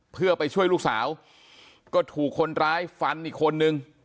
เพื่อไปช่วยลูกสาวก็ถูกคนร้ายฟันอีกคนนึง